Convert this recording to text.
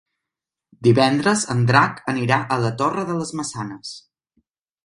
Divendres en Drac anirà a la Torre de les Maçanes.